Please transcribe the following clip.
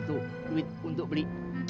tuh duit untuk beli